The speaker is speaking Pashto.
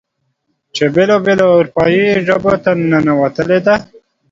چې بېلا بېلو اروپايې ژبو ته ننوتلې ده.